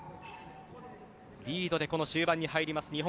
リードで終盤に入ります。